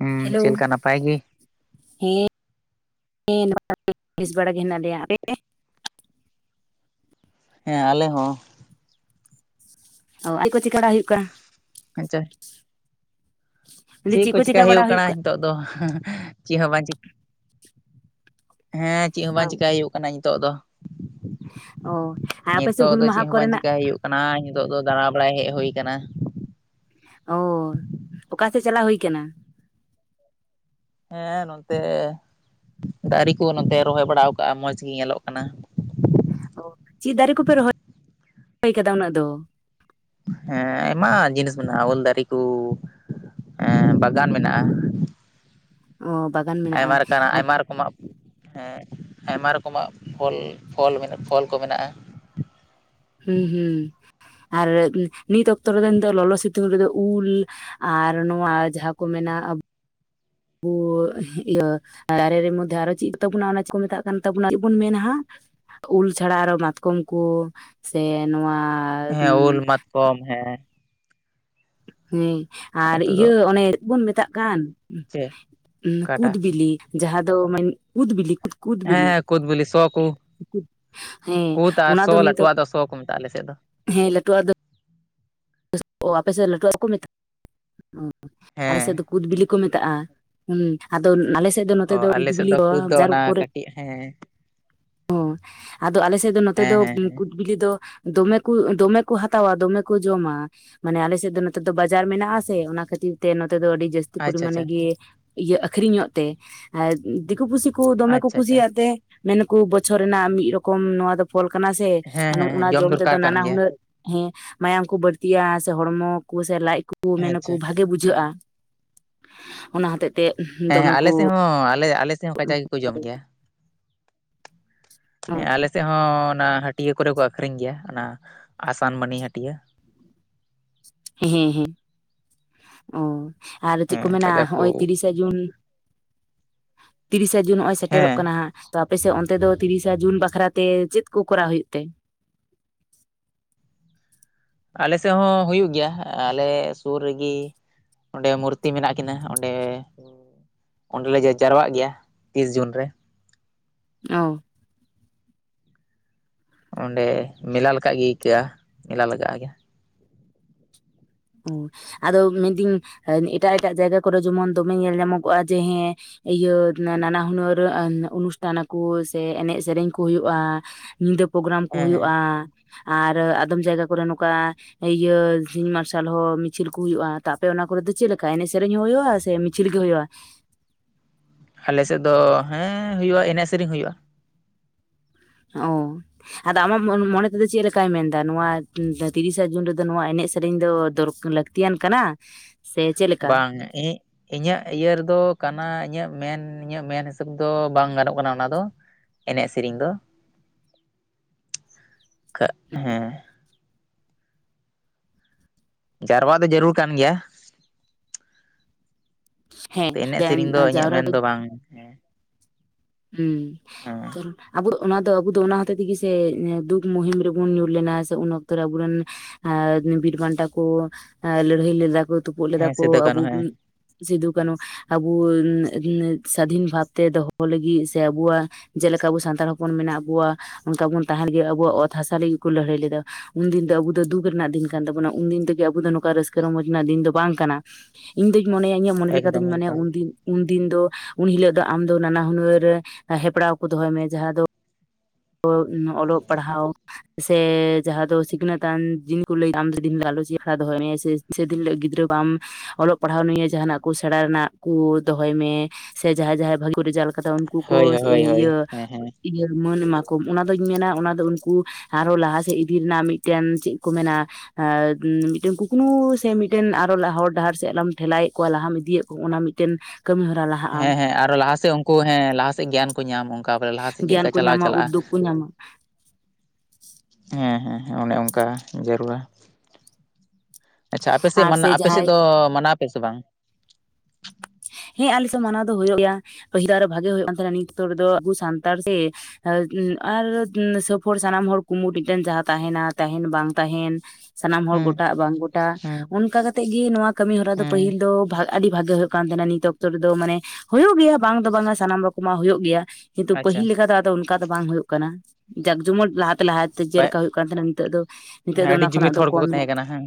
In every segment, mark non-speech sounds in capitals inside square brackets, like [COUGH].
ᱦᱩᱸ ᱦᱮᱞᱳ ᱪᱮᱫ ᱞᱮᱠᱟ ᱱᱟᱯᱟᱭ ᱜᱮ? ᱦᱮᱸ, ᱱᱟᱯᱟᱭ ᱜᱮ, ᱵᱤᱥ ᱵᱟᱲᱟ ᱜᱮ ᱦᱮᱱᱟᱜ ᱞᱮᱭᱟ ᱟᱯᱮ? ᱦᱮᱸ ᱟᱞᱮ ᱦᱚᱸ ᱚ ᱟᱡ ᱠᱚ ᱪᱤᱠᱵᱟᱲᱟ ᱦᱩᱭᱩᱜ ᱠᱟᱱ? ᱟᱪᱪᱟ ᱪᱮᱫ ᱠᱚ ᱪᱤᱠᱟᱹᱭ ᱦᱩᱭᱩᱜ ᱠᱟᱱᱟ ᱱᱤᱛᱚᱜ ᱫᱚ ᱦᱟᱻ ᱜ ᱦᱟ ᱸ ᱪᱮᱫ ᱦᱚᱸ ᱵᱟᱝ ᱪᱮ ᱦᱮᱸ ᱪᱮᱫ ᱦᱚᱸ ᱠᱟᱱᱟ ᱵᱟᱝ ᱪᱮᱤᱠᱟᱭ ᱟᱭᱩᱜ ᱠᱟᱱᱟ ᱱᱤᱛᱚᱜ ᱫᱚ ᱚ ᱟᱨ ᱟᱯᱮ ᱥᱮᱫ ᱱᱤᱛᱚᱜ ᱦᱩᱞ ᱫᱚ ᱢᱟᱦᱟ ᱪᱮᱫ ᱦᱚᱸ ᱵᱟᱝ ᱠᱚᱨᱮᱱᱟᱜ ᱪᱮᱠᱟᱭ ᱦᱩᱭᱩᱜ ᱠᱟᱱᱟ ᱱᱤᱛᱚᱜ ᱫᱚ ᱫᱟᱬᱟ ᱵᱟᱲᱟᱭ ᱦᱮᱡ ᱦᱩᱭ ᱠᱟᱱᱟ ᱾ ᱚ ᱚᱠᱟ ᱥᱮᱫ ᱪᱟᱞᱟᱣ ᱦᱩᱭ ᱠᱟᱱᱟ? ᱦᱮᱸ ᱱᱚᱱᱛᱮ ᱫᱟᱨᱮ ᱠᱚ ᱱᱚᱛᱮ ᱨᱚᱦᱚᱭ ᱵᱟᱲᱟᱣ ᱟᱠᱟᱜ-ᱟ ᱢᱚᱸᱡᱽ ᱜᱮ ᱧᱮᱞᱚᱜ ᱠᱟᱱᱟ ᱚ ᱪᱮᱫ ᱫᱟᱨᱮ ᱠᱚᱯᱮ ᱨᱚᱦᱚᱭ ᱠᱟᱫᱟ ᱩᱱᱟᱹᱜ ᱫᱚ? ᱦᱮᱸ ᱟᱭᱢᱟ ᱡᱤᱱᱤᱥ ᱢᱮᱱᱟᱜ-ᱟ ᱩᱞ ᱫᱟᱨᱤ ᱠᱩ ᱮᱸ ᱵᱟᱜᱟᱱ ᱢᱮᱱᱟᱜ-ᱟ᱾ ᱚ ᱵᱟᱜᱟᱱ ᱢᱮᱱᱟᱜᱼᱟ ᱟᱭᱢᱟ ᱞᱮᱠᱟᱱᱟᱜ ᱟᱭᱢᱟ ᱨᱚᱠᱚᱢᱟᱜ ᱦᱮᱸ ᱟᱭᱢᱟ ᱨᱚᱠᱚᱢᱟᱜ ᱯᱚᱞ ᱯᱷᱚᱞ ᱯᱷᱚᱞ ᱠᱚ ᱢᱮᱱᱟᱜ-ᱟ᱾ ᱦᱩᱸ ᱦᱩᱸ ᱟᱨ ᱱᱤᱛ ᱚᱠᱛᱚ ᱨᱮᱫᱚ ᱱᱮᱱ ᱫᱚ ᱞᱚᱞᱚ ᱥᱤᱛᱩᱝ ᱨᱮᱫᱚ ᱩᱞ ᱟᱨ ᱱᱚᱣᱟ ᱡᱟᱦᱟᱸ ᱠᱚ ᱢᱮᱱᱟ ᱵᱩ ᱦᱤᱦᱞᱟᱹ ᱫᱟᱨᱮ ᱨᱮ ᱢᱤ ᱫᱷᱟᱨᱮ ᱨᱮ ᱪᱤᱛ ᱛᱟᱵᱩᱱᱟ ᱪᱮᱫ ᱠᱚ ᱢᱮᱛᱟᱜ ᱠᱟᱱ ᱛᱟᱵᱚᱱᱟ ᱟᱨ ᱪᱮᱫ ᱵᱚᱱ ᱢᱮᱱᱟᱦᱟᱜ ᱩᱞ ᱪᱷᱟᱲᱟ ᱟᱨᱚ ᱢᱟᱛᱠᱚᱢ ᱠᱚ ᱥᱮ ᱱᱚᱶᱟ ᱦᱮᱸ ᱩᱞ ᱢᱟᱛᱠᱚᱢ ᱦᱮᱸ ᱦᱮᱸ ᱟᱨ ᱱᱤᱛᱚᱜ ᱫᱚ ᱤᱭᱟᱹ ᱚᱱᱮ ᱪᱮᱫ ᱵᱚᱱ ᱢᱮᱛᱟᱜ ᱠᱟᱱ ᱪᱮᱫ ᱠᱩᱫᱽ ᱚᱠᱟᱴᱟᱜ ᱵᱤᱞᱤ ᱡᱟᱦᱟᱸ ᱫᱚ ᱢᱟᱱ ᱠᱩᱫᱽ ᱵᱤᱞᱤ ᱠᱩ ᱦᱮᱸ ᱠᱩᱫᱽ ᱵᱤᱞᱤ ᱥᱚ ᱠᱩ ᱦᱮᱸ ᱠᱩᱫᱽ ᱟᱨ ᱚᱱᱟ ᱥᱚ ᱱᱤᱛ ᱞᱟᱹᱴᱩᱣᱟᱜ ᱫᱚ ᱥᱚ ᱠᱚ ᱢᱮᱛᱟᱜ-ᱟ ᱟᱞᱮ ᱥᱮᱫ ᱫᱚ᱾ ᱦᱮᱸ ᱞᱟᱴᱩᱣᱟᱜ ᱫᱚ ᱚ ᱟᱯᱮ ᱥᱮᱫ ᱫᱚ ᱞᱟᱹᱴᱩᱣᱟᱜ ᱠᱚ ᱢᱮᱛᱟᱜ-ᱟ᱾ ᱟᱞᱮ ᱥᱮᱫ ᱦᱮᱸ ᱫᱚ ᱠᱩᱫᱽ ᱵᱤᱞᱤ ᱠᱚ ᱢᱮᱛᱟᱜ-ᱟ ᱦᱩ ᱟᱫᱚ ᱱᱟᱞᱮᱥᱮᱫ ᱫᱚ ᱱᱚᱛᱮ ᱚ ᱫᱚ ᱠᱩᱫᱽ ᱟᱞᱮ ᱥᱮᱫ ᱵᱤᱞᱤ ᱠᱩᱫ ᱫᱚ ᱡᱟᱨ ᱚᱱᱟ ᱠᱚᱨᱮ ᱠᱟᱹᱴᱤᱡ ᱦᱮᱸ ᱚ ᱟᱫᱚ ᱟᱞᱮᱥᱮᱫ ᱫᱚ ᱱᱚᱛᱮ ᱦᱮᱸ ᱫᱚ ᱦᱮᱸ ᱦᱮᱸ ᱠᱩᱫᱽ ᱵᱤᱞᱤ ᱫᱚ ᱫᱚᱢᱮ ᱠᱚ ᱫᱚᱢᱮ ᱠᱚ ᱦᱟᱛᱟᱣᱟ ᱫᱚᱢᱮ ᱠᱚ ᱡᱚᱢᱟ ᱢᱟᱱᱮ ᱟᱞᱮᱥᱮᱫ ᱫᱚ ᱱᱚᱛᱮ ᱫᱚ ᱵᱟᱡᱟᱨ ᱢᱮᱱᱟᱜ ᱟᱥᱮ ᱚᱱᱟ ᱠᱷᱟᱹᱛᱤᱨ ᱛᱮ ᱱᱚᱛᱮ ᱫᱚ ᱟᱹᱰᱤ ᱡᱟᱹᱥᱛᱤ ᱛᱩᱯᱩᱫᱽ ᱟᱪᱪᱷᱟ ᱢᱟᱱᱮ ᱟᱪᱪᱷᱟ ᱜᱮ ᱤᱭᱟᱹ ᱟᱠᱷᱨᱤᱧᱚᱜ ᱛᱮ ᱟᱨ ᱫᱤᱠᱩ ᱯᱩᱥᱤ ᱠᱚ ᱫᱚᱢᱮ ᱠᱚ ᱟᱪᱪᱷᱟ ᱟᱪᱪᱷᱟ ᱠᱩᱥᱤᱭᱟᱜ ᱛᱮ ᱠᱩ ᱵᱚᱪᱷᱚᱨ ᱨᱮᱱᱟᱜ ᱢᱤᱫ ᱨᱚᱠᱚᱢ ᱱᱚᱶᱟ ᱫᱚ ᱯᱷᱚᱞ ᱠᱟᱱᱟ ᱥᱮ ᱦᱮᱸ ᱦᱮᱸ ᱦᱮᱸ ᱚᱱᱟ ᱡᱚᱢ ᱫᱚᱨᱠᱟᱨ ᱛᱮᱫᱚ ᱠᱟᱱ ᱱᱟᱱᱟ ᱜᱮᱭᱟ ᱦᱩᱱᱟᱹᱨ ᱦᱮᱸ ᱢᱟᱭᱟᱢ ᱠᱚ ᱵᱟᱹᱲᱛᱜᱤᱭᱟ ᱥᱮ ᱦᱚᱲᱢᱚ ᱠᱚ ᱥᱮ ᱞᱟᱡ ᱠᱩ ᱠᱩ ᱟᱪᱪᱷᱟ ᱢᱮᱱᱟᱠᱚ ᱵᱷᱟᱜᱮ ᱦᱮᱸ ᱵᱩᱡᱷᱟᱹᱜ-ᱟ ᱚᱱᱟ ᱦᱚᱛᱮᱫ ᱦᱮᱸ ᱟᱞᱮ ᱥᱮᱫ ᱦᱚᱸ ᱟᱞᱮ ᱥᱮᱫ ᱦᱚᱸ ᱠᱟᱡᱟᱠ ᱜᱮᱠᱚ ᱡᱚᱢ ᱜᱮᱭᱟ᱾ ᱦᱮᱸ ᱟᱞᱮ ᱥᱮᱫ ᱦᱚᱸ ᱚᱱᱟ ᱦᱟᱹᱴᱤᱭᱟᱹ ᱠᱚᱨᱮ ᱠᱚ ᱟᱹᱠᱷᱨᱤᱧ ᱜᱮᱭᱟ ᱚᱱᱟ ᱟᱥᱟᱱ ᱢᱟᱹᱱᱤ ᱦᱟᱹᱴᱤᱭᱟᱹ ᱦᱮᱸ ᱦᱮᱸ ᱚ ᱟᱨ ᱪᱤᱫ ᱠᱚ ᱦᱮᱸ ᱢᱮᱱᱟ ᱠᱟᱡᱟᱠ ᱠᱚ ᱦᱚᱸᱜ-ᱚᱭ ᱛᱤᱨᱤᱥ ᱥᱮ ᱡᱩᱱ ᱛᱤᱨᱤᱥᱟ ᱡᱩᱱ ᱱᱚᱜᱼᱚᱭ ᱦᱮᱸ ᱥᱮᱴᱮᱨᱚᱜ ᱠᱟᱱᱟ ᱦᱟᱸᱜ ᱛᱚ ᱟᱯᱮᱥᱮᱫ ᱚᱱᱛᱮ ᱫᱚ ᱛᱤᱨᱤᱥᱟ ᱡᱩᱱ ᱵᱟᱠᱷᱨᱟ ᱛᱮ ᱪᱮᱫ ᱠᱚ ᱠᱚᱨᱟᱣ ᱦᱩᱭᱩᱜ ᱛᱮ? ᱟᱞᱮ ᱥᱮᱫ ᱦᱚᱸ ᱦᱩᱭᱩᱜ ᱜᱮᱭᱟ ᱟᱞᱮ ᱥᱩᱨ ᱨᱮᱜᱮ ᱚᱸᱰᱮ ᱢᱩᱨᱛᱤ ᱢᱮᱱᱟᱜ ᱠᱤᱱᱟᱹ ᱚᱸᱰᱮ ᱚᱸᱰᱮᱞᱮ ᱡᱟ ᱡᱟᱨᱣᱟᱜ ᱜᱮᱭᱟ ᱛᱤᱥ ᱡᱩᱱ ᱨᱮ ᱚ ᱚᱸᱰᱮ ᱢᱮᱞᱟ ᱞᱮᱠᱟᱜ ᱜᱮ ᱟᱹᱭᱠᱟᱹᱜ-ᱟ ᱢᱮᱞᱟ ᱞᱟᱜᱟᱜ-ᱟ ᱟᱜᱮ ᱚ ᱟᱫᱚ ᱢᱮᱱᱫᱟᱹᱧ ᱮᱴᱟᱜ ᱮᱴᱟᱜ ᱡᱟᱭᱜᱟ ᱠᱚᱨᱮ ᱡᱮᱢᱚᱱ ᱫᱚᱢᱮ ᱧᱮᱞ ᱧᱟᱢᱚᱜᱚᱜᱼᱟ ᱡᱮ ᱦᱮᱸ ᱤᱭᱟᱹ ᱱᱟᱱᱟ ᱦᱩᱱᱟᱹᱨ ᱚᱱᱩᱥᱴᱷᱟᱱ ᱟᱠᱚ ᱥᱮ ᱮᱱᱮᱡ ᱥᱮᱨᱮᱧ ᱠᱚ ᱦᱩᱭᱩᱜᱼᱟ᱾ ᱧᱤᱫᱟᱹ ᱯᱨᱳᱜᱨᱟᱢ ᱠᱚ ᱦᱮᱸ ᱦᱮᱸ ᱦᱩᱭᱩᱜᱼᱟ ᱟᱨ ᱟᱫᱚᱢ ᱡᱟᱭᱜᱟ ᱠᱚᱨᱮ ᱱᱚᱝᱠᱟ ᱤᱭᱟᱹ ᱥᱤᱧ ᱢᱟᱨᱥᱟ ᱥᱟᱞ ᱦᱚᱸ ᱢᱤᱪᱷᱤᱞ ᱠᱚ ᱦᱩᱭᱩᱜᱼᱟ, ᱛᱟ ᱛᱟᱯᱮ ᱚᱱᱟ ᱠᱚᱨᱮ ᱫᱚ ᱪᱮᱫ ᱞᱮᱠᱟ ᱮᱱᱮᱡ ᱥᱮᱨᱮᱧ ᱦᱚᱸ ᱦᱩᱭᱩᱜᱼᱟ ᱥᱮ ᱢᱤᱪᱤᱞ ᱜᱮ ᱦᱩᱭᱩᱜᱼᱟ? ᱟᱞᱮ ᱥᱮᱫ ᱫᱚ ᱦᱮᱸ ᱦᱩᱭᱩᱜᱼᱟ ᱮᱱᱮᱡ ᱥᱮᱨᱮᱧ ᱦᱩᱭᱩᱜᱼᱟ᱾ ᱚ᱾ ᱟᱫᱚ ᱟᱢᱟᱜ ᱢᱚᱱᱮ ᱛᱮᱫᱚ ᱪᱮᱫ ᱞᱮᱠᱟᱭ ᱢᱮᱱᱫᱟ ᱱᱚᱣᱟ ᱛᱤᱨᱤᱥᱟ ᱡᱩᱱ ᱨᱮᱫᱚ ᱱᱚᱣᱟ ᱮᱱᱮᱡ ᱥᱮᱨᱮᱧ ᱫᱚ ᱫᱚᱨ ᱞᱟᱹᱠᱛᱤ ᱛᱤᱭᱟᱱ ᱠᱟᱱᱟ᱾ ᱥᱮ ᱪᱮᱫ ᱞᱮᱠᱟ ᱵᱟᱝ ᱤᱜ ᱤᱧᱟᱹᱜ ᱤᱭᱟᱹ ᱨᱮᱫᱚ ᱠᱟᱱᱟ ᱤᱧᱟᱹᱜ ᱢᱮᱱ ᱤᱧᱟᱹᱜ ᱢᱮᱱ ᱦᱤᱥᱟᱹᱵ ᱫᱚ ᱵᱟᱝ ᱜᱟᱱᱚᱜ ᱠᱟᱱᱟ ᱚᱱᱟ ᱫᱚ᱾ ᱮᱱᱮᱡ ᱥᱤᱨᱤᱧ ᱫᱚ᱾ [INAUDIBLE] ᱠᱟᱜ ᱦᱮᱸ ᱾ ᱡᱟᱨᱣᱟᱜ ᱫᱚ ᱡᱟᱹᱨᱩᱨ ᱠᱟᱱ ᱜᱮᱭᱟ᱾ ᱦᱮᱸ ᱛᱮ ᱮᱱᱮᱜ ᱥᱤᱨᱤᱧ ᱫᱚ ᱡᱟ- ᱤᱧᱟᱹᱜ ᱡᱟᱣᱨᱟ ᱢᱮᱱ ᱫᱚ ᱵᱟᱝ ᱦᱩ ᱦᱩᱸ᱾ [UNINTELLIGIBLE] ᱟᱵᱩ ᱫᱚ ᱚᱱᱟ ᱫᱚ ᱟᱵᱩ ᱫᱚ ᱚᱱᱟ ᱦᱚᱛᱮ ᱛᱤᱜᱤ ᱥᱮ ᱫᱩᱠ ᱢᱩᱦᱤᱢ ᱨᱮᱵᱚᱱ ᱧᱩᱨ ᱞᱮᱱᱟ ᱥᱮ ᱩᱱ ᱚᱠᱛᱚ ᱨᱮ ᱟᱵᱩᱨᱮᱱ ᱦᱮᱸ ᱵᱤᱨ ᱵᱟᱱᱴᱟ ᱠᱚ ᱞᱟᱹᱲᱦᱟᱹᱭ ᱞᱮᱫᱟ ᱠᱚ ᱛᱩᱯᱩᱜ ᱞᱮᱫᱟ ᱦᱮᱸ ᱠᱚ ᱥᱤᱫᱩ ᱟᱵᱚ ᱠᱟᱹᱱᱦᱩ ᱦᱮᱸ ᱥᱤᱫᱩ ᱦᱮᱸ ᱠᱟᱹᱱᱦᱩ ᱟᱵᱩ ᱱᱮ ᱱᱮ ᱥᱟᱹᱫᱷᱤᱱ ᱵᱷᱟᱵ ᱛᱮ ᱫᱚᱦᱚ ᱞᱟᱹᱜᱤᱫ ᱤᱜ ᱥᱮ ᱟᱵᱚᱣᱟᱜ ᱡᱮᱞᱮᱠᱟ ᱟᱵᱚ ᱥᱟᱱᱛᱟᱲ ᱦᱚᱯᱚᱱ ᱢᱮᱱᱟᱜ ᱠᱚᱣᱟ ᱚᱱᱠᱟ ᱵᱚᱱ ᱛᱟᱦᱮᱱ ᱜᱮᱭᱟ ᱟᱵᱚᱣᱟᱜ ᱚᱛ ᱦᱟᱥᱟ ᱞᱟᱹᱜᱤᱫ ᱠᱚ ᱞᱟᱹᱲᱦᱟᱹᱭ ᱞᱮᱫᱟ᱾ ᱩᱱᱫᱤᱱ ᱫᱚ ᱟᱵᱚ ᱫᱚ ᱫᱩᱠ ᱨᱮᱱᱟᱜ ᱫᱤᱱ ᱠᱟᱱ ᱛᱟᱵᱚᱱᱟ ᱩᱱ ᱫᱤᱱ ᱛᱮᱜᱮ ᱟᱵᱚ ᱫᱚ ᱱᱚᱝᱠᱟ ᱨᱟᱹᱥᱠᱟᱹ ᱨᱚᱢᱚᱡ ᱨᱮᱱᱟᱜ ᱫᱤᱱ ᱫᱚ ᱵᱟᱝ ᱠᱟᱱᱟ᱾ ᱤᱧ ᱫᱩᱧ ᱢᱚᱱᱮᱭᱟ ᱤᱧᱟᱹᱜ ᱢᱚᱱᱮ ᱮᱠᱫᱚᱢ ᱞᱮᱠᱟᱛᱤᱧ ᱢᱚᱱᱮᱭᱟ ᱮᱠᱫᱚᱢ ᱩᱱᱫᱤᱱ ᱩᱱᱫᱤᱱ ᱫᱚ ᱩᱱᱦᱤᱞᱳᱜ ᱫᱚ ᱟᱢᱫᱚ ᱱᱟᱱᱟ ᱦᱩᱱᱟᱹᱨ ᱨᱮ ᱦᱮᱯᱲᱟᱣ ᱠᱚ ᱫᱚᱦᱚᱭ ᱢᱮ, ᱡᱟᱦᱟᱸ ᱫᱚ ᱚᱞᱚᱜ ᱯᱟᱲᱦᱟᱣ ᱥᱮ ᱡᱟᱦᱟ ᱫᱚ ᱥᱤᱠᱷᱱᱟᱹᱛᱟᱱ ᱡᱤᱱ ᱠᱚ ᱞᱟᱹᱭ ᱫᱟ ᱟᱢ ᱡᱩᱫᱤ ᱫᱤᱱ ᱦᱤᱞᱤᱜ ᱮᱢ ᱜᱟᱞᱚᱪ ᱞᱮᱠᱟ ᱫᱚᱦᱚᱭ ᱦᱮᱸ ᱥᱮ᱾ ᱥᱮ ᱫᱤᱱ ᱦᱤᱞᱳ ᱜᱤᱫᱽᱨᱟᱹ ᱵᱟᱢ ᱚᱞᱚᱜ ᱯᱟᱲᱦᱟᱣ ᱱᱤᱭᱟᱹ ᱡᱟᱦᱟᱱᱟᱜ ᱠᱚ ᱥᱮᱬᱟ ᱨᱮᱱᱟᱜ ᱠᱩ ᱫᱚᱦᱚᱭ ᱢᱮ᱾ ᱥᱮ ᱡᱟᱦᱟᱸᱭ ᱡᱟᱦᱟᱸᱭ ᱵᱷᱟᱹᱜᱤ ᱠᱚ ᱨᱮᱡᱟᱞᱴ ᱠᱟᱫᱟ ᱩᱱᱠᱩ ᱠᱚ ᱦᱳᱭ ᱥᱮ ᱦᱳᱭ ᱦᱳᱭ ᱤᱭᱟᱹᱼᱼ ᱦᱮᱸ ᱦᱮᱸ ᱤᱭᱟᱹ ᱢᱟᱹᱱ ᱮᱢᱟ ᱠᱚᱢ ᱚᱱᱟᱫᱩᱧ ᱢᱮᱱᱟ ᱚᱱᱟᱫᱚ ᱩᱱᱠᱩ ᱟᱨᱦᱚᱸ ᱞᱟᱦᱟᱥᱮᱫ ᱤᱫᱤ ᱨᱮᱱᱟᱜ ᱢᱤᱫᱴᱮᱱ ᱪᱮᱫ ᱠᱚ ᱢᱮᱱᱟ ᱮᱻ ᱩᱸ ᱢᱤᱫᱴᱮᱱ ᱠᱩᱠᱱᱩ ᱥᱮ ᱢᱤᱫᱴᱮᱱ ᱟᱨᱚ ᱞᱟ ᱦᱚᱨ ᱰᱟᱦᱟᱨ ᱥᱮᱫ ᱞᱮᱢ ᱴᱷᱮᱞᱟᱭᱮᱜ ᱠᱚᱣᱟ ᱞᱟᱦᱟᱢ ᱤᱫᱤᱭᱮᱜ ᱠᱚ ᱚᱱᱟ ᱢᱤᱫᱴᱮᱱ ᱠᱟᱹᱢᱤ ᱦᱚᱨᱟ ᱞᱟ ᱦᱮᱸ ᱦᱮᱸ ᱟᱨᱚ ᱞᱟᱦᱟ ᱥᱮᱫ ᱩᱱᱠᱩ ᱦᱮᱸ ᱞᱟᱦᱟᱥᱮᱫ ᱜᱮᱭᱟᱱ ᱠᱚ ᱧᱟᱢᱟ ᱚᱱᱠᱟ [INAUDIBLE] ᱞᱟᱦᱟᱥᱮᱫ ᱪᱮᱫ ᱜᱮᱭᱟᱱ ᱞᱮᱠᱟ ᱠᱚ ᱪᱟᱞᱟᱣ ᱧᱟᱢᱟ ᱪᱟᱞᱟᱜᱼᱟ᱾ ᱩᱫᱽᱫᱳᱜᱽ ᱠᱚ ᱧᱟᱢᱟ ᱦᱮᱸ ᱦᱮᱸ ᱦᱮᱸ, ᱚᱱᱮ ᱚᱝᱠᱟ ᱡᱟᱹᱨᱩᱲᱟ ᱾ ᱟᱪᱪᱷᱟ ᱟᱯᱮ ᱥᱮᱫ ᱟᱨ ᱢᱟᱱᱟ ᱥᱮ ᱟᱯᱮ ᱡᱟᱦᱟᱸᱭ ᱥᱮᱫ ᱫᱚ ᱢᱟᱱᱟᱣ ᱟᱯᱮ ᱥᱮ ᱵᱟᱝ? ᱦᱮᱸ ᱟᱞᱮ ᱥᱮᱫ ᱢᱟᱱᱟᱣ ᱫᱚ ᱦᱳᱭᱳᱜ ᱜᱮᱭᱟ᱾ᱯᱟᱹᱦᱤᱞ ᱫᱚ ᱟᱨ ᱵᱷᱟᱜᱮ ᱦᱩᱭᱩᱜ ᱠᱟᱱ ᱛᱟᱦᱮᱱᱟ ᱱᱤᱛ ᱫᱚ ᱟᱵᱚ ᱥᱟᱱᱛᱟᱲ ᱥᱮ [INAUDIBLE] ᱟᱨ ᱥᱟᱹᱯᱷᱚᱨ ᱥᱟᱱᱟᱢ ᱦᱚᱲ ᱠᱩᱢᱩᱴ ᱢᱤᱫᱴᱮᱱ ᱡᱟᱦᱟᱸ ᱛᱟᱦᱮᱱᱟ, ᱛᱟᱦᱮᱱ ᱵᱟᱝ ᱛᱟᱦᱮᱱ ᱥᱟᱱᱟᱢ ᱦᱚᱲ ᱦᱩᱸ ᱜᱚᱴᱟᱜ ᱵᱟᱝ ᱜᱚᱴᱟᱜ, ᱦᱩᱸ ᱚᱱᱠᱟ ᱠᱟᱛᱮᱜ ᱜᱤ ᱱᱚᱣᱟ ᱠᱟᱹᱢᱤ ᱦᱚᱨᱟ ᱫᱚ ᱦᱩᱸ ᱯᱟᱹᱦᱤᱞ ᱫᱚ ᱵᱷᱟ ᱟᱹᱰᱤ ᱵᱷᱟᱜᱮ ᱦᱩᱭᱩᱜ ᱠᱟᱱ ᱛᱟᱦᱮᱱᱟ ᱱᱤᱛ ᱚᱠᱛᱚ ᱨᱮᱫᱚ ᱢᱟᱱᱮ ᱦᱳᱭᱳᱜ ᱜᱮᱭᱟ ᱵᱟᱝ ᱫᱚ ᱵᱟᱝᱟ ᱥᱟᱱᱟᱢ ᱨᱚᱠᱚᱢᱟᱜ ᱦᱳᱭᱳᱜ ᱜᱮᱭᱟ ᱾ ᱠᱤᱱᱛᱩ ᱟᱪᱪᱷᱟ ᱯᱟᱹᱦᱤᱞ ᱞᱮᱠᱟ ᱟᱫᱚ ᱚᱱᱠᱟ ᱫᱚ ᱵᱟᱝ ᱦᱳᱭᱳᱜ ᱠᱟᱱᱟ ᱡᱟᱠ ᱡᱚᱢᱚᱱ ᱞᱟᱦᱟ ᱛᱮ ᱞᱟᱦᱟ᱾ ᱯᱟᱭ ᱡᱮᱞᱮᱠᱟ ᱦᱩᱭᱩᱜ ᱠᱟᱱ ᱛᱟᱦᱮᱱᱟ ᱱᱤᱛᱚᱜ ᱫᱚ ᱱᱤᱛᱚᱜ ᱦᱮᱸ ᱫᱚ ᱟᱹᱰᱤ ᱚᱱᱟ ᱠᱷᱚᱱᱟᱜ ᱡᱩᱢᱤᱫ ᱫᱚ ᱦᱚᱲ ᱠᱚᱢ ᱠᱚᱠᱚ ᱮᱱᱟ᱾ ᱛᱟᱦᱮᱸ ᱠᱟᱱᱟ ᱦᱮᱸ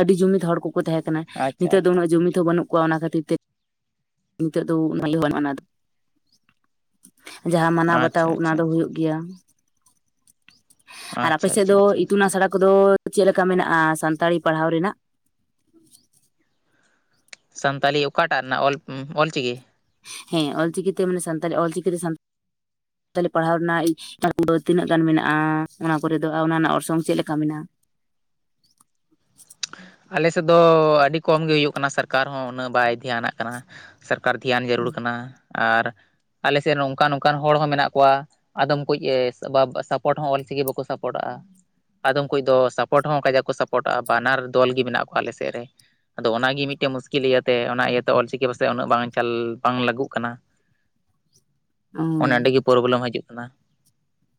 ᱟᱹᱰᱤ ᱡᱩᱢᱤᱫ ᱦᱚᱲ ᱠᱚᱠᱚ ᱛᱟᱦᱮᱸ ᱠᱟᱱᱟ ᱟᱪᱪᱷᱟ ᱱᱤᱛᱳᱜ ᱫᱚ ᱟᱪᱪᱷᱟ ᱩᱱᱟᱹᱜ ᱡᱩᱢᱤᱫ ᱦᱚᱸ ᱵᱟᱹᱱᱩᱜ ᱠᱚᱣᱟ ᱚᱱᱟ ᱠᱷᱟᱹᱛᱤᱨ ᱛᱮ ᱱᱤᱛᱚᱜ ᱫᱚ [INAUDIBLE] ᱡᱟᱦᱟᱸ ᱢᱟᱱᱟᱣ ᱟᱪᱪᱷᱟ ᱟᱪᱪᱷᱟ ᱵᱟᱛᱟᱣ ᱟᱪᱪᱷᱟ ᱚᱱᱟ ᱫᱚ ᱟᱪᱪᱷᱟ ᱦᱩᱭᱩᱜ ᱜᱮᱭᱟ, ᱟᱨ ᱟᱯᱮ ᱟᱪᱪᱷᱟ ᱥᱮᱫ ᱟᱪᱪᱷᱟ ᱫᱚ ᱟᱪᱪᱷᱟ ᱤᱛᱩᱱ ᱟᱥᱲᱟ ᱠᱚᱫᱚ ᱪᱮᱫ ᱞᱮᱠᱟ ᱢᱮᱱᱟᱜᱼᱟ ᱥᱟᱱᱛᱟᱲᱤ ᱯᱟᱲᱦᱟᱣ ᱨᱮᱱᱟᱜ? ᱥᱟᱱᱛᱟᱞᱤ ᱚᱠᱟᱴᱟᱜ ᱨᱮᱱᱟᱜ ᱚᱞ ᱚᱞᱪᱤᱠᱤ? ᱦᱮᱸ ᱚᱞᱪᱤᱠᱤ ᱛᱮ ᱢᱟᱱᱮ ᱥᱟᱱᱛᱟᱞᱤ ᱚᱞᱪᱤᱠᱤ ᱛᱮ ᱥᱟᱱᱛᱟᱞᱤ ᱯᱟᱲᱦᱟᱣ ᱨᱮᱱᱟᱜ [UNINTELLIGIBLE] ᱛᱤᱱᱟᱹᱜ ᱜᱟᱱ ᱢᱮᱱᱟᱜᱼᱟ ᱚᱱᱟ ᱠᱚᱨᱮ ᱫᱚ ᱚᱱᱟ ᱨᱮᱱᱟᱜ ᱚᱨᱥᱚᱝ ᱪᱮᱫ ᱞᱮᱠᱟ ᱢᱮᱱᱟᱜᱼᱟ᱾ ᱟᱞᱮ ᱥᱮᱫ ᱫᱚ ᱟᱹᱰᱤ ᱠᱚᱢ ᱜᱮ ᱦᱩᱭᱩᱜ ᱠᱟᱱᱟ ᱥᱚᱨᱠᱟᱨ ᱦᱚᱸ ᱩᱱᱟᱹᱜ ᱵᱟᱭ ᱫᱷᱮᱭᱟᱱᱟᱜ ᱠᱟᱱᱟ᱾ ᱥᱟᱨᱠᱟᱨ ᱫᱷᱮᱭᱟᱱ ᱡᱟᱹᱨᱩᱲ ᱠᱟᱱᱟ, ᱟᱨ ᱟᱞᱮ ᱥᱮᱫ ᱱᱚᱝᱠᱟᱱ ᱱᱚᱝᱠᱟᱱ ᱦᱚᱲ ᱦᱚᱸ ᱢᱮᱱᱟᱜ ᱠᱚᱣᱟ ᱟᱫᱚᱢ ᱠᱩᱡ ᱵᱟᱵ ᱥᱟᱯᱚᱴ ᱦᱚᱸ ᱚᱞᱪᱤᱠᱤ ᱵᱟᱠᱚ ᱥᱟᱯᱚᱴᱟᱜᱼᱟ ᱾ ᱟᱫᱚᱢ ᱠᱚ ᱫᱚ ᱥᱟᱯᱚᱴ ᱦᱚᱸ ᱚᱱᱠᱟ ᱡᱟ ᱠᱚ ᱥᱟᱯᱚᱴᱚᱜᱼᱟ ᱵᱟᱱᱟᱨ ᱫᱚᱞ ᱜᱮ ᱢᱮᱱᱟᱜ ᱠᱚᱣᱟ ᱟᱞᱮ ᱥᱮᱫ ᱨᱮᱼᱼ ᱟᱫᱚ ᱚᱱᱟᱜᱮ ᱢᱤᱫᱴᱮᱡ ᱢᱩᱥᱠᱤᱞ ᱤᱭᱟᱹᱛᱮ ᱚᱱᱟ ᱤᱭᱟᱹᱛᱮ ᱚᱞᱪᱤᱠᱤ ᱯᱟᱥᱮᱡ ᱩᱱᱟᱹᱜ ᱵᱟᱝ ᱪᱟᱞ ᱵᱟᱝ ᱞᱟᱹᱜᱟᱜᱩᱜ ᱠᱟᱱᱟ᱾ [INAUDIBLE] ᱚᱱᱮ ᱚᱸᱰᱮᱜᱮ ᱯᱨᱳᱵᱞᱮᱢ ᱦᱟᱡᱩᱜ ᱠᱟᱱᱟ᱾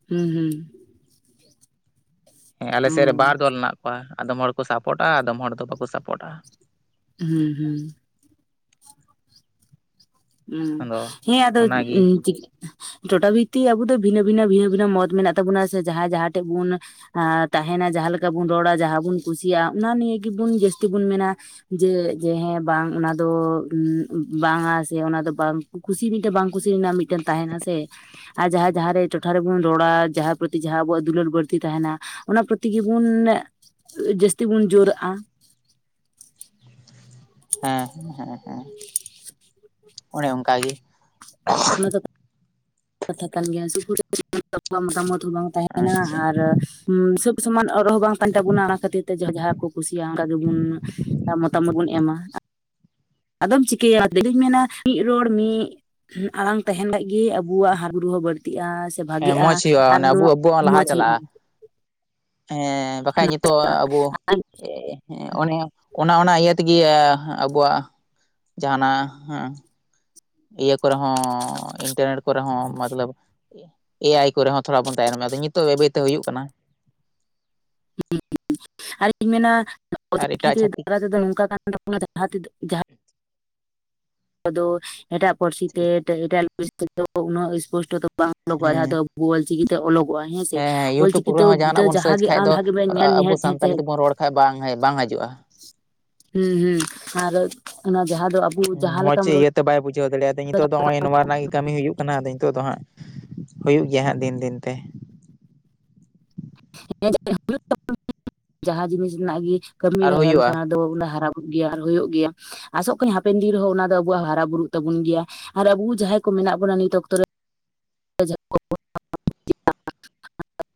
ᱦᱩᱸ ᱦᱩᱸ᱾ ᱦᱮᱸ ᱟᱞᱮ ᱚ ᱥᱮᱫ ᱨᱮ ᱵᱟᱨ ᱫᱚᱞ ᱦᱮᱱᱟᱜ ᱠᱚᱣᱟ᱾ ᱟᱫᱚᱢ ᱦᱚᱲ ᱠᱚ ᱥᱟᱯᱚᱴᱟ, ᱟᱫᱚᱢ ᱦᱚᱲ ᱫᱚ ᱵᱟᱠᱚ ᱥᱟᱯᱚᱴᱟ᱾ ᱦᱩᱸ ᱦᱩᱸ᱾ ᱦᱩᱸ, ᱟᱫᱚ ᱦᱮᱸ ᱟᱫᱚ ᱚᱱᱟᱜᱮ ᱩᱸ ᱪᱤ ᱴᱚᱴᱟ ᱵᱷᱤᱛᱤᱠ ᱟᱵᱚ ᱫᱚ ᱵᱷᱤᱱᱟᱹ ᱵᱷᱤᱱᱟᱹ ᱵᱷᱤᱱᱟᱹ ᱵᱷᱤᱱᱟᱹ ᱢᱚᱛ ᱢᱮᱱᱟᱜ ᱛᱟᱵᱚᱱᱟ ᱥᱮ ᱡᱟᱦᱟᱸᱭ ᱡᱟᱦᱟᱸ ᱴᱷᱮᱡ ᱵᱚᱱᱼᱼ ᱟᱸ ᱛᱟᱦᱮᱱᱟ ᱡᱟᱦᱟᱸ ᱞᱮᱠᱟ ᱵᱚᱱ ᱨᱚᱲᱟ ᱡᱟᱦᱟᱸ ᱵᱚᱱ ᱠᱩᱥᱤᱭᱟᱜᱼᱟ ᱚᱱᱟ ᱱᱤᱭᱟᱹ ᱜᱮᱵᱚᱱ ᱡᱟᱹᱥᱛᱤ ᱵᱚᱱ ᱢᱮᱱᱟ ᱡᱮ ᱡᱮ ᱦᱮᱸ ᱵᱟᱝ ᱚᱱᱟ ᱫᱚ ᱩᱸ ᱵᱟᱝ-ᱟ ᱡᱮ ᱚᱱᱟ ᱫᱚ ᱵᱟᱝ ᱠᱩᱥᱤ ᱢᱤᱫᱴᱮᱱ ᱵᱟᱝ ᱠᱩᱥᱤ ᱨᱮᱱᱟᱜ ᱢᱤᱫᱴᱮᱱ ᱛᱟᱦᱮᱱᱟ ᱥᱮ᱾ ᱟᱨ ᱡᱟᱦᱟᱸ ᱡᱟᱦᱟᱸᱨᱮ ᱴᱚᱴᱷᱟ ᱨᱮᱵᱚᱱ ᱨᱚᱲᱟ ᱡᱟᱦᱟᱸᱭ ᱯᱨᱚᱛᱤ ᱡᱟᱦᱟᱸ ᱟᱵᱚᱣᱟᱜ ᱫᱩᱞᱟᱹᱲ ᱵᱟᱹᱲᱛᱤ ᱛᱟᱦᱮᱱᱟ᱾ ᱚᱱᱟ ᱯᱨᱚᱛᱤ ᱜᱮᱵᱚᱱ ᱡᱟᱹᱥᱛᱤ ᱵᱩᱱ ᱡᱳᱨᱟᱜᱼᱟ᱾ ᱦᱮᱸ ᱦᱮᱸ ᱦᱮᱸ ᱚᱱᱮ ᱚᱱᱠᱟ ᱜᱮ᱾ ᱚᱱᱟ ᱫᱚ ᱠᱟᱛᱷᱟ ᱠᱟᱱ ᱜᱮᱭᱟ [UNINTELLIGIBLE] ᱢᱚᱛᱟᱢᱚᱛ ᱦᱚᱸ ᱵᱟᱝ ᱛᱟᱦᱮᱱᱟ ᱟᱪᱪᱷᱟ ᱟᱨ ᱥᱚᱵᱽ ᱥᱚᱢᱟᱱ ᱟᱨ ᱨᱚᱲ ᱦᱚᱸ ᱵᱟᱝ ᱠᱟᱱ ᱛᱟᱵᱚᱱᱟ ᱚᱱᱟ ᱠᱷᱟᱹᱛᱤᱨ ᱛᱮ ᱡᱟ ᱡᱟᱦᱟᱸ ᱠᱚ ᱠᱩᱥᱤᱭᱟᱜᱼᱟ ᱚᱱᱠᱟ ᱜᱮᱵᱚᱱ ᱢᱚᱛᱟᱢᱚᱛ ᱵᱚᱱ ᱮᱢᱟ᱾ ᱟᱫᱚᱢ ᱪᱤᱠᱟᱹᱭᱟ ᱤᱫᱩᱧ ᱢᱮᱱᱟ ᱢᱤᱫ ᱨᱚᱲ ᱢᱤᱫ ᱟᱲᱟᱝ ᱛᱟᱦᱮᱱ ᱠᱷᱟᱱᱡ ᱜᱮ ᱟᱵ ᱵᱩᱣᱟᱜ ᱦᱟᱨ ᱵᱩᱨᱩ ᱦᱚᱸ ᱵᱟᱹᱲᱛᱤᱜᱼᱟᱼᱼ ᱦᱮᱸ ᱢᱚᱸᱡᱽ ᱦᱩᱭᱩᱜᱼᱟ ᱚᱱᱮ ᱟᱵᱩ ᱟᱵᱩᱣᱟᱜ ᱦᱚᱸ ᱞᱟᱦᱟ ᱪᱟᱞᱟᱜᱼᱟ᱾ ᱦᱩᱭᱩᱜᱼᱟ ᱦᱮᱸ ᱵᱟᱠᱷᱟᱡ ᱱᱤᱛᱚᱜ ᱟᱵᱚ ᱦᱮᱸ ᱚᱱᱮ ᱚᱱᱟ ᱚᱱᱟ ᱤᱭᱟᱹ ᱛᱮᱜᱮ ᱟᱵᱩᱣᱟᱜᱼᱼ ᱡᱟᱦᱟᱱᱟᱜ ᱦᱮᱸ᱾ ᱤᱭᱟᱹ ᱠᱚᱨᱮ ᱦᱚᱸ ᱤᱱᱴᱟᱨᱱᱮᱴ ᱠᱚᱨᱮ ᱦᱚᱸ ᱢᱚᱛᱞᱚᱵᱽ ᱮ ᱟᱭ ᱠᱚᱨᱮ ᱦᱚᱸ ᱛᱷᱚᱲᱟ ᱵᱚᱱ ᱛᱟᱭᱱᱚᱢᱟ ᱟᱫᱚ ᱱᱤᱛᱚᱜ ᱵᱟᱹᱭ ᱵᱟᱹᱭᱛᱮ ᱦᱩᱭᱩᱜ ᱠᱟᱱᱟ᱾ ᱟᱨ ᱮᱴᱟᱜ ᱪᱷᱟᱹᱛᱤᱠ [UNINTELLIGIBLE] ᱟᱫᱚ ᱮᱴᱟᱜ ᱯᱟᱹᱨᱥᱤ ᱛᱮ [UNINTELLIGIBLE] ᱩᱱᱟᱹᱜ ᱥᱯᱚᱥᱴᱚ ᱫᱚ ᱵᱟᱝᱼᱟ ᱚᱰᱚᱠᱚᱜᱼᱟ ᱡᱟᱦᱟᱸ ᱫᱚ ᱦᱮᱸ ᱟᱵ ᱵᱚ ᱚᱞᱪᱤᱠᱤᱛᱮ ᱚᱞᱚᱜᱚᱜᱼᱟ ᱦᱮᱸᱥᱮ ᱦᱮᱸ ᱤᱭᱩᱴᱩᱵᱽ ᱠᱚᱨᱮ ᱚᱞᱪᱤᱠᱤᱛᱮ ᱦᱚᱸ ᱫᱚ ᱡᱟᱦᱟᱱᱟᱜ ᱵᱚᱱ ᱥᱟᱨᱪ ᱡᱟᱦᱟᱸᱜᱮ ᱠᱷᱟᱡ ᱟᱢ ᱫᱚ ᱵᱷᱟᱜᱮ ᱧᱮᱞ ᱟᱵᱚ ᱥᱟᱱᱛᱟᱞᱤ [UNINTELLIGIBLE] ᱛᱮᱵᱚᱱ ᱨᱚᱲ ᱠᱷᱟᱡ ᱵᱟᱝ ᱦᱮᱡᱽ ᱵᱟᱝ ᱦᱤᱡᱩᱜᱼᱟ᱾ ᱦᱩᱸ ᱦᱩᱸ ᱟᱨ ᱚᱱᱟ ᱡᱟᱦᱟᱸ ᱫᱚ ᱟᱵᱚ ᱩᱸ ᱡᱟᱦᱟᱸ ᱢᱚᱸᱡᱽ ᱞᱮᱠᱟᱢ ᱨᱚᱲ ᱤᱭᱟᱹᱛᱮ ᱵᱟᱭ ᱵᱩᱡᱷᱟᱹᱣ ᱫᱟᱲᱮᱭᱟᱫᱟ ᱱᱤᱛᱚᱜ ᱫᱚ ᱱᱚᱜ-ᱚᱭ ᱱᱚᱣᱟ ᱨᱮᱱᱟᱜ ᱜᱮ ᱠᱟᱹᱢᱤ ᱦᱩᱭᱩᱜ ᱠᱟᱱᱟ ᱟᱫᱚ ᱱᱤᱛᱚᱜ ᱫᱚ ᱦᱟᱸᱜ ᱦᱩᱭᱩᱜ ᱜᱮᱭᱟ ᱦᱟᱸᱜ ᱫᱤᱱ ᱫᱤᱱᱛᱮ᱾ [UNINTELLIGIBLE] ᱡᱟᱦᱟᱸ ᱡᱤᱱᱤᱥ ᱨᱮᱱᱟᱜ ᱜᱮ ᱠᱟᱹᱢᱤ ᱟᱨ ᱨᱮ ᱦᱮᱞᱯ ᱦᱩᱭᱩᱜᱼᱟ ᱠᱷᱟᱱ᱾ ᱟᱫᱚ ᱩᱱᱟ ᱦᱟᱨᱟ ᱵᱩᱨᱩᱜ ᱜᱮᱭᱟ ᱟᱨ ᱦᱩᱭᱩᱜ ᱜᱮᱭᱟ᱾ ᱟᱥᱚᱜ ᱠᱟᱹᱱᱟᱹᱧ ᱦᱟᱯᱮᱱ ᱫᱤᱱ ᱨᱮᱦᱚᱸ ᱚᱱᱟ ᱫᱚ ᱟᱵᱚᱣᱟᱜ ᱦᱟᱨᱟ ᱵᱩᱨᱩᱜ ᱛᱟᱵᱩᱱ ᱜᱮᱭᱟ ᱟᱨ ᱟᱵᱩ ᱡᱟᱦᱟᱸᱭ ᱠᱚ ᱢᱮᱱᱟᱜ ᱵᱩᱱᱟ ᱱᱤᱛ ᱚᱠᱛᱚ ᱨᱮ᱾ [UNINTELLIGIBLE]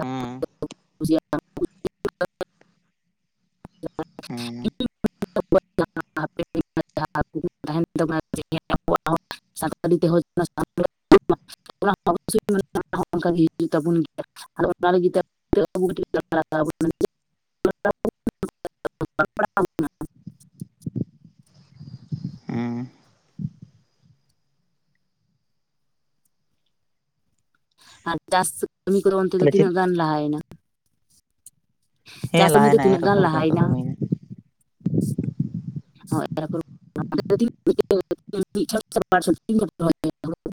ᱦᱩᱸ ᱦᱮᱸ ᱦᱮᱸ᱾ [UNINTELLIGIBLE] [UNINTELLIGIBLE] [UNINTELLIGIBLE] ᱟᱨ ᱚᱱᱟ ᱞᱟᱜᱤᱫ ᱛᱮ [UNINTELLIGIBLE] [INAUDIBLE] ᱦᱮᱸ ᱟᱨ ᱪᱟᱥ ᱠᱟᱹᱢᱤ ᱠᱚᱫᱚ ᱚᱱᱛᱮ ᱫᱚ ᱛᱟᱦᱚᱞᱮ ᱪᱮᱫ ᱛᱤᱱᱟᱹᱜ ᱜᱟᱱ ᱞᱟᱦᱟᱭᱮᱱᱟ? ᱦᱮᱸ ᱪᱟᱥ ᱠᱟᱹᱢᱤ ᱫᱚ ᱞᱟᱦᱟᱭᱮᱱᱟ ᱛᱤᱱᱟᱹᱜ ᱜᱟᱱ ᱨᱚᱯᱚᱲ ᱠᱚ ᱱᱤᱛᱚᱜ ᱞᱟᱦᱟᱭᱮᱱᱟ ᱫᱚ ᱟᱱᱼ? ᱦᱩᱭᱱᱟ [INAUDIBLE] [INAUDIBLE]